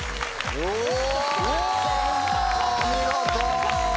お見事！